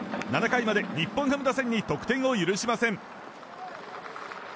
７回まで日本ハム打線に得点を許しません。